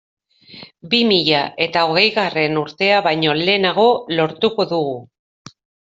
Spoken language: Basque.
Bi mila eta hogeigarren urtea baino lehenago lortuko dugu.